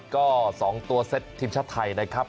ก็๒ตัวเซตทีมชาติไทยนะครับ